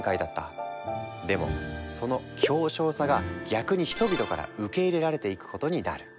でもその狭小さが逆に人々から受け入れられていくことになる。